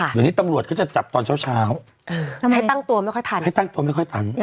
เดี๋ยวนี้ตำรวจก็จะจับตอนเช้าให้ตั้งตัวไม่ค่อยทัน